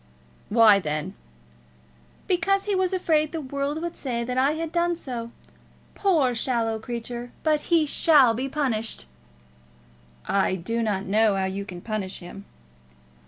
"Why then?" "Because he was afraid the world would say that I had done so. Poor shallow creature! But he shall be punished." "I do not know how you can punish him."